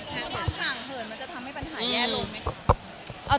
แต่แพทห่างเหินมันจะทำให้ปัญหาแยกลงไหม